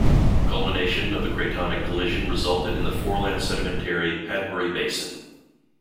Culmination of the cratonic collision resulted in the foreland sedimentary Padbury Basin.